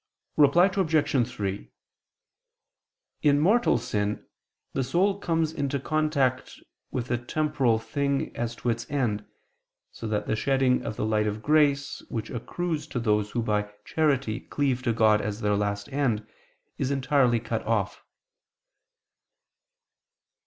Reply Obj. 3: In mortal sin the soul comes into contact with a temporal thing as its end, so that the shedding of the light of grace, which accrues to those who, by charity, cleave to God as their last end, is entirely cut off.